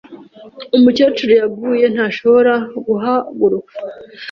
Umukecuru yaguye ntashobora guhaguruka.